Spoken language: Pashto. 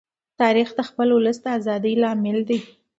تاریخ د خپل ولس د ازادۍ لامل دی.